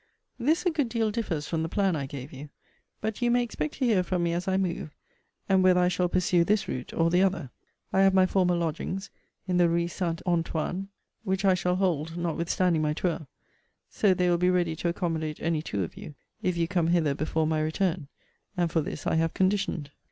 This a good deal differs from the plan I gave you. But you may expect to hear from me as I move; and whether I shall pursue this route or the other. I have my former lodgings in the Rue St. Antoine, which I shall hold, notwithstanding my tour; so they will be ready to accommodate any two of you, if you come hither before my return; and for this I have conditioned.